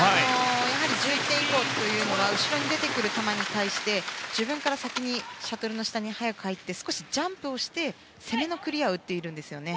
１１点以降というのは後ろに出てくる球に対して自分から先にシャトルの下に早く入って少しジャンプして攻めのクリアを打っているんですね。